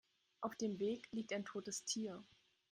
Auf dem Weg liegt ein totes Tier.